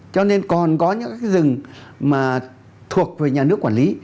cho nên còn có những cái rừng mà thuộc về nhà nước quản lý